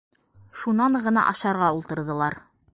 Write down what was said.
Шунан ғына ашарға ултырҙылар.